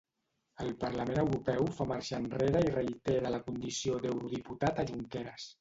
El Parlament Europeu fa marxa enrere i reitera la condició d'eurodiputat a Junqueras.